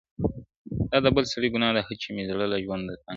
دا د بل سړي ګنا دهچي مي زړه له ژونده تنګ دی,